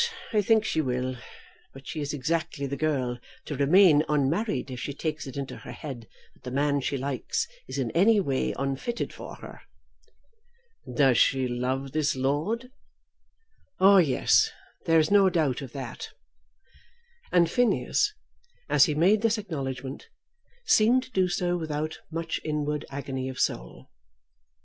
I think she will. But she is exactly the girl to remain unmarried if she takes it into her head that the man she likes is in any way unfitted for her." "Does she love this lord?" "Oh yes; there is no doubt of that." And Phineas, as he made this acknowledgment, seemed to do so without much inward agony of soul.